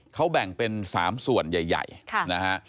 เขาแบ่งเป็น๓ส่วนใหญ่นะฮะ